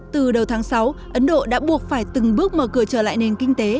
từ đầu tháng sáu ấn độ đã buộc phải từng bước mở cửa trở lại nền kinh tế